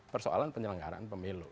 persoalan penyelenggaraan pemilu